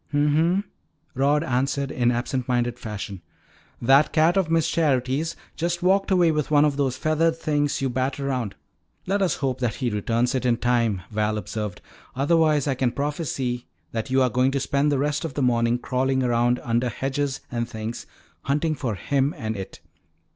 "Hm m," Rod answered in absent minded fashion. "That cat of Miss Charity's just walked away with one of those feathered things yo' bat 'round." "Let us hope that he returns it in time," Val said; "otherwise I can prophesy that you are going to spend the rest of the morning crawling around under hedges and things hunting for him and it.